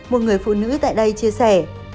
một người phụ nữ tại đây chia sẻ